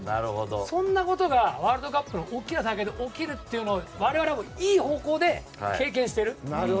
そんなことがワールドカップの大きな大会で起きるっていうのを我々は、いい方向で経験している。